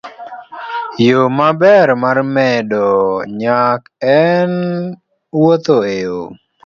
Yo maber mar medo nyak en wuotho e